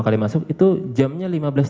kali masuk itu jamnya lima belas tiga puluh